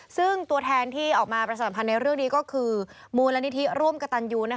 ซึ่งตัวแทนที่ออกมาประชาสัมพันธ์ในเรื่องนี้ก็คือมูลนิธิร่วมกระตันยู